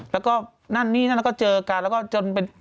แล้วก็นั่นนี่นั่นแล้วก็เจอกันแล้วก็จนเป็น